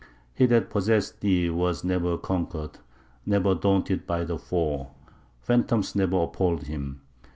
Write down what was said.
He that possessed thee was never conquered, never daunted by the foe; phantoms never appalled him.